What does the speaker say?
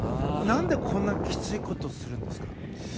何でこんなにきついことをするんですか？